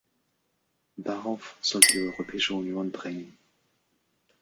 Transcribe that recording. Darauf sollte die Europäische Union drängen.